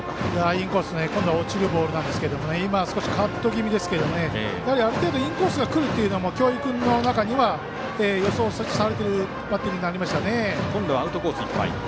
インコース今度は落ちるボールですが今、少しカット気味ですがある程度インコースが来るというのは京井君の中には予想されているバッティングになりましたね。